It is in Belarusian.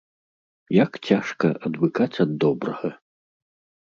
Як цяжка адвыкаць ад добрага!